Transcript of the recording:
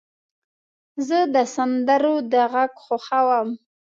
زه د سندرو د غږ خوښوم.